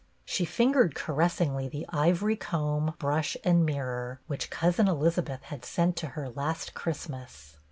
She fingered caressingly the ivory comb, brush, and mirror which Cousin Elizabeth had sent to her last Christmas.